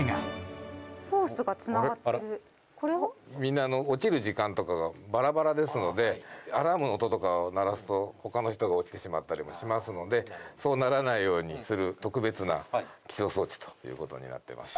みんな起きる時間とかがバラバラですのでアラームの音とかを鳴らすと他の人が起きてしまったりもしますのでそうならないようにする特別な起床装置ということになっています。